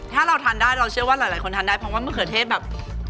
ถ้าเราทานได้เราเชื่อว่าหลายคนทานได้เพราะมะเขือเทศก็ไม่ค่อยชอบ